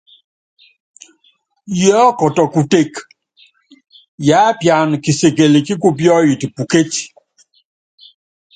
Yiɔ́kɔtɔ kuteke, yiápiana kisikili kíkupíɔ́yɛt pukéci.